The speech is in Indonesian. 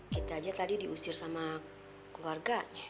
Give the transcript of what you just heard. kita aja tadi diusir sama keluarga